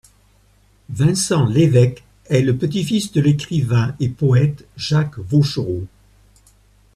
Vincent Lévêque est le petit-fils de l'écrivain et poète Jacques Vaucherot.